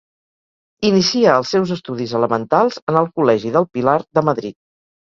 Inicia els seus estudis elementals en el Col·legi del Pilar de Madrid.